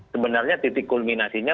sebenarnya titik kulminasinya